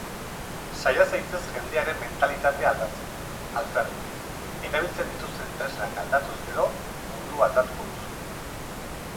Saia zaitez jendearen mentalitatea aldatzen; alferrik. Erabiltzen dituzten tresnak aldatuz gero, mundua aldatuko duzu.